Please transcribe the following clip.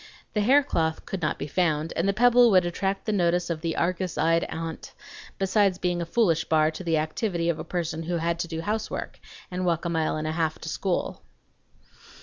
The haircloth could not be found, and the pebble would attract the notice of the Argus eyed aunt, besides being a foolish bar to the activity of a person who had to do housework and walk a mile and a half to school.